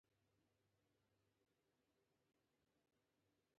پام کوئ، د ملک صاحب له دوکان څه مه اخلئ.